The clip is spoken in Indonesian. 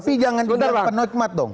tapi jangan penikmat dong